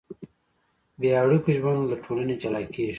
بېاړیکو ژوند له ټولنې جلا کېږي.